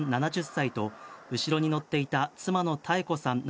７０歳と、後ろに乗っていた妻の妙子さん